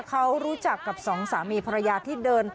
เขารู้จักกับสองสามีภรรยาที่เดิน